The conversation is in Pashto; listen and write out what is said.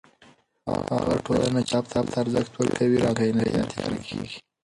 هغه ټولنه چې کتاب ته ارزښت ورکوي، راتلونکی یې نه تیاره کېږي.